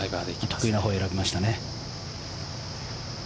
得意のほう選びましたね。